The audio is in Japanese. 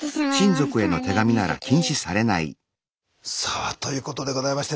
さあということでございまして。